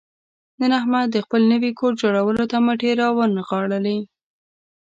نن احمد د خپل نوي کور جوړولو ته مټې را ونغاړلې.